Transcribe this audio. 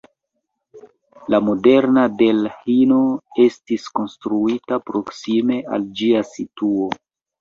La moderna Delhio estis konstruita proksime al ĝia situo.